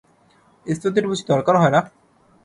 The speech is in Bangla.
স্তুতির বুঝি দরকার হয় না?